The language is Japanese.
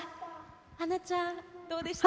はなちゃん、どうでしたか？